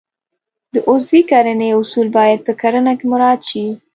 د عضوي کرنې اصول باید په کرنه کې مراعات شي.